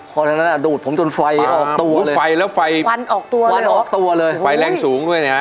เพราะฉะนั้นดูดผมจนไฟออกตัวเลยควันออกตัวเหรอไฟแรงสูงด้วยนะ